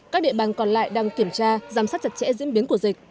các địa bàn còn lại đang kiểm tra giám sát chặt chẽ diễn biến của dịch